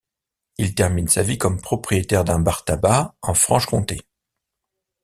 Il termine sa vie comme propriétaire d'un bar-tabac en Franche-Comté.